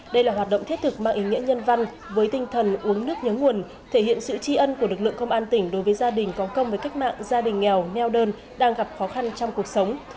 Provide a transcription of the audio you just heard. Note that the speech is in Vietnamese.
đây là hoạt động thiết thực mang ý nghĩa nhân văn với tinh thần uống nước nhớ nguồn thể hiện sự tri ân của lực lượng công an tỉnh đối với gia đình có công với cách mạng gia đình nghèo neo đơn đang gặp khó khăn trong cuộc sống